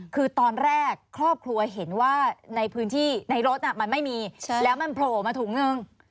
คือตอนแรกครอบครัวเห็นว่าในพื้นที่ในรถมันไม่มีแล้วมันโผล่มาถุงนึง